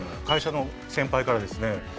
会社の先輩からですね